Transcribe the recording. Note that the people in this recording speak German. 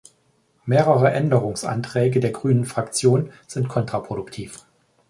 Mehrere Änderungsanträge der Grünenfraktion sind kontraproduktiv.